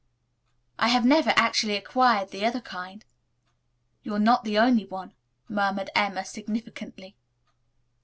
I have never actually acquired the other kind." "You're not the only one," murmured Emma significantly.